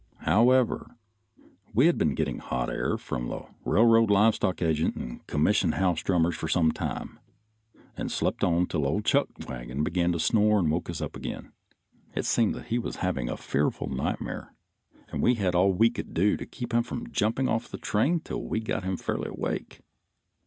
However, we had been getting hot air from the railroad live stock agents and commission house drummers for some time and slept on till old Chuckwagon begun to snore and woke us up again. It seemed he was having a fearful nightmare, and we had all we could do to keep him from jumping off the train till we got him fairly awake.